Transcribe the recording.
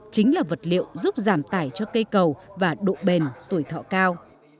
chính là vật liệu giúp giảm tải cho cây cầu và độ bền tuổi thọ cao